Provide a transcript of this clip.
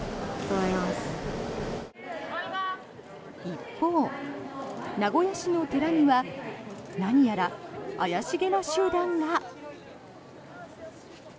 一方、名古屋市の寺には何やら怪しげな集団が。